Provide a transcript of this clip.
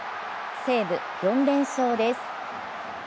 西武、４連勝です。